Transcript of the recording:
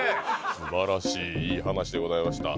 素晴らしいいい話でございました。